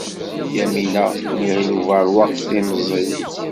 Yamina n Yiɣil Ubeṛwaq timẓiy.